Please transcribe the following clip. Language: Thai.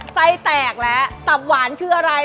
ไส้แตกแล้วตับหวานคืออะไร